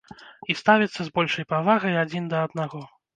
І ставіцца з большай павагай адзін да аднаго.